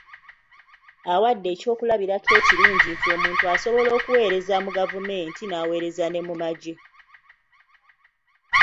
Awadde eky'okulabirako ekirungi nti omuntu asobola okuweereza mu gavumenti, n'aweereza ne mu magye.